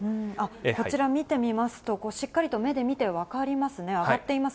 こちら見てみますと、しっかりと目で見て分かりますね。